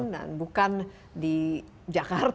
dan bukan di jakarta